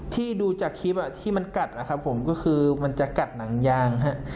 ที่ดูจากคลิปที่มันกัดนะครับผมก็คือมันจะกัดหนังยางฮะ